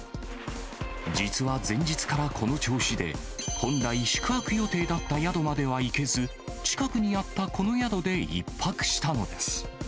実は前日からこの調子で、本来宿泊予定だった宿までは行けず、近くにあったこの宿で１泊したのです。